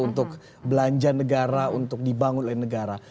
untuk belanja negara untuk dibangun oleh negara